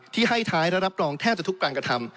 ที่ให้ท้ายและรับรองแทบจะทุกการกระทำ